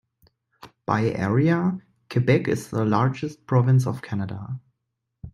By area, Quebec is the largest province of Canada.